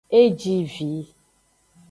E ji vi.